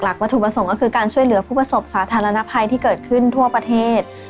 วัตถุประสงค์ก็คือการช่วยเหลือผู้ประสบสาธารณภัยที่เกิดขึ้นทั่วประเทศ